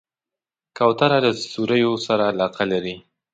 کوتره له سیوریو سره علاقه لري.